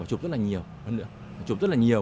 chụp rất là nhiều hơn nữa chụp rất là nhiều